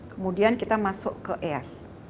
kemudian kita masuk ke es